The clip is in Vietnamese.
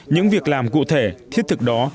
những việc làm cụ thể thiết thực đó